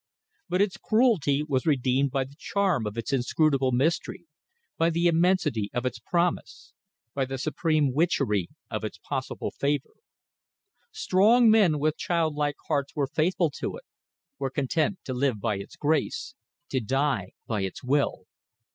But its cruelty was redeemed by the charm of its inscrutable mystery, by the immensity of its promise, by the supreme witchery of its possible favour. Strong men with childlike hearts were faithful to it, were content to live by its grace to die by its will.